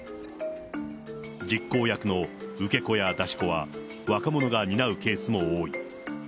実行役の受け子や出し子は若者が担うケースも多い。